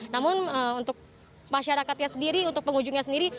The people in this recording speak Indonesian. namun untuk masyarakatnya sendiri untuk pengunjungnya sendiri